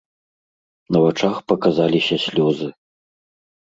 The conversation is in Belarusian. На вачах паказаліся слёзы.